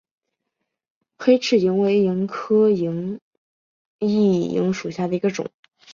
黑翅萤为萤科熠萤属下的一个种。